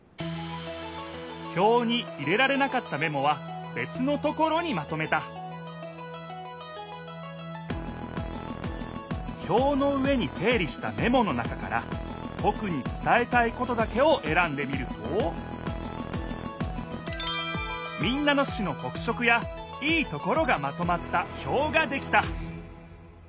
ひょうに入れられなかったメモはべつのところにまとめたひょうの上に整理したメモの中からとくにつたえたいことだけをえらんでみると民奈野市のとく色やいいところがまとまったひょうができた！